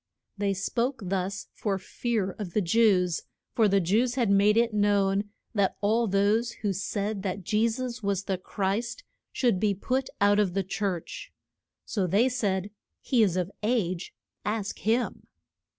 They spoke thus for fear of the Jews; for the Jews had made it known that all those who said that Je sus was the Christ should be put out of the church. So they said, He is of age; ask him.